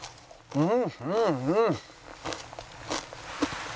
うん。